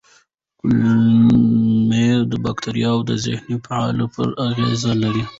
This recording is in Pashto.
کولمو بکتریاوې د ذهني فعالیت پر اغېز لري.